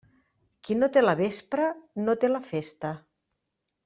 Qui no té la vespra, no té la festa.